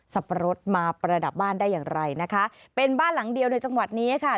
ปะรดมาประดับบ้านได้อย่างไรนะคะเป็นบ้านหลังเดียวในจังหวัดนี้ค่ะ